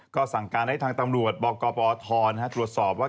ก็สั่งการให้ทางตำรวจบกปทตรวจสอบว่า